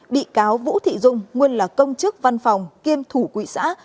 bị cáo vũ thị dung nguyên là công chức văn phòng kiêm thủ quỹ xã